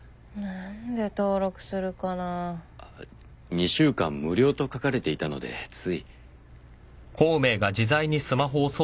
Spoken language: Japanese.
２週間無料と書かれていたのでつい。